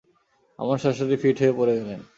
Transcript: আমার শাশুড়ি ফিট হয়ে পড়ে গেলেন।